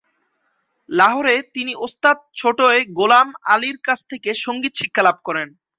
লাহোরে তিনি উস্তাদ ছোটয় গোলাম আলীর কাছ থেকে সঙ্গীত শিক্ষা লাভ করেন।